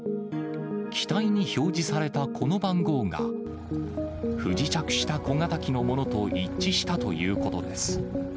機体に表示されたこの番号が、不時着した小型機のものと一致したということです。